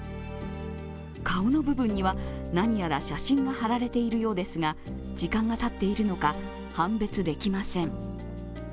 顔の部分には、何やら写真が貼られているようですが時間がたっているのか判別できません。